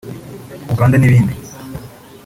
Uganda n'ibindi